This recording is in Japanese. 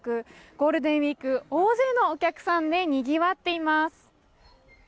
ゴールデンウィーク、大勢のお客さんでにぎわっています。